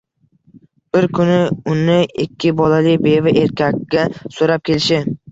Bir kuni uni ikki bolali beva erkakka so'rab kelishi.